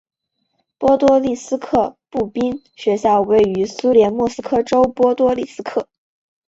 波多利斯克步兵学校位于苏联莫斯科州波多利斯克。